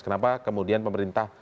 kenapa kemudian pemerintah